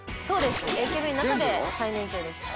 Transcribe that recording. ＡＫＢの中で最年長でした。